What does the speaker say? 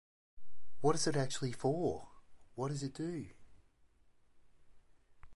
She refuses, not wishing to be a puppet monarch of the Japanese.